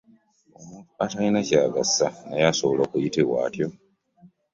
Omuntu atalina kyagasa naye asobola okuyitibwa atyo .